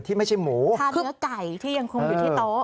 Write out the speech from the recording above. ไม่ใช่หมูถ้าเนื้อไก่ที่ยังคงอยู่ที่โต๊ะ